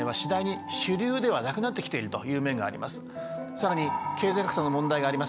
更に経済格差の問題があります。